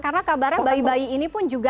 karena kabarnya bayi bayi ini pun juga